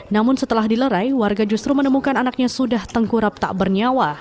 namun setelah dilerai warga justru menemukan anaknya sudah tengkurap tak bernyawa